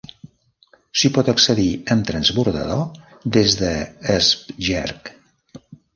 S'hi pot accedir amb transbordador des d'Esbjerg.